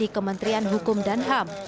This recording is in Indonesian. kementerian hukum dan ham